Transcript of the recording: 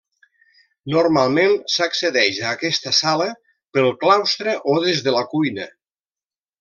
Normalment s'accedeix a aquesta sala pel claustre o des de la cuina.